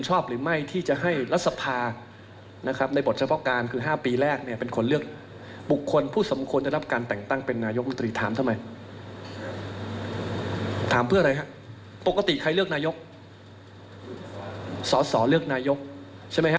สอสอเลือกนายกใช่มั้ยครับ